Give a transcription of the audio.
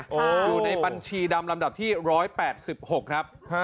อยู่ในบัญชีดำลำดับที่๑๘๖ครับ